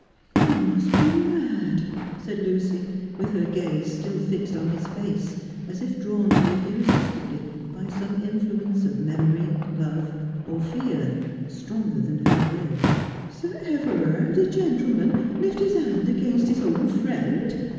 ' You must be mad,' said Lucy, with her gaze still fixed on his face, as if drawn to it irresistibly by some influence of memory, love, or fear, stronger than her will. ' Sir Everard, a gentleman, lift his hand against his own friend